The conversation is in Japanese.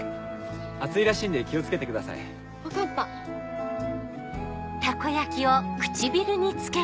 熱いらしいんで気を付けてください。分かった。